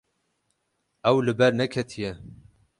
Ew li ber neketiye.